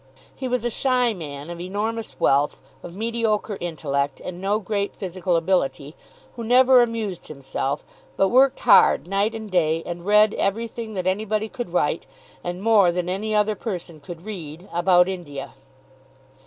He was a shy man, of enormous wealth, of mediocre intellect, and no great physical ability, who never amused himself; but worked hard night and day, and read everything that anybody could write, and more than any other person could read, about India.